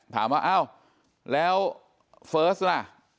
ถามว่าอ้าวแล้วเฟิร์สล่ะ